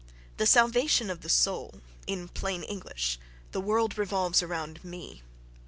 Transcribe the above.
The "salvation of the soul"—in plain English: "the world revolves around me."...